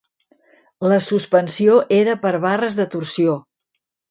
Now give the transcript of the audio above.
La suspensió era per barres de torsió.